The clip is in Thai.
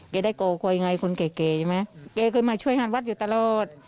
เขาได้โกรธกลัวอย่างไรคุณแก่ใช่ไหมเขาก็มาช่วยงานวัดอยู่ตลอด